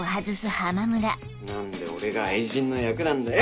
何で俺が愛人の役なんだよ！